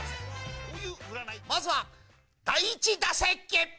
まずは第１打席。